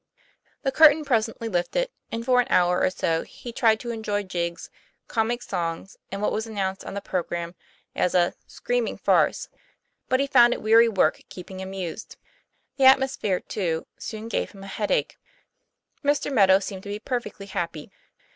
The curtain presently lifted, and for an hour or so he tried to enjoy jigs, comic songs, and what was announced on the program as a ;< screaming farce." But he found it weary work keeping amused. The atmosphere, too, soon gave him a headache. Mr. Meadow seemed to be perfectly happy.